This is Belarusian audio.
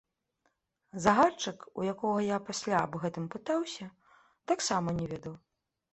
Загадчык, у якога я пасля аб гэтым пытаўся, таксама не ведаў.